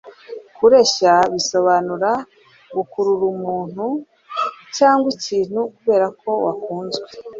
Kureshya bisobanuye gukurura umuntu cyangwa ikintu kubera ko wakunzwe,